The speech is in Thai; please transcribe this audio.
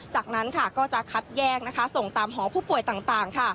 จากนั้นก็จะคัดแยกส่งตามหอผู้ป่วยต่าง